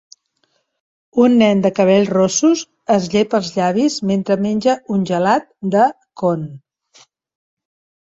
Un nen de cabells rossos es llepa els llavis mentre menja un gelat de con